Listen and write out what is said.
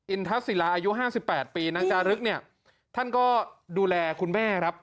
อินทัศน์ศิลาอายุห้าสิบแปดปีนางจารึกเนี่ยท่านก็ดูแลคุณแม่ครับ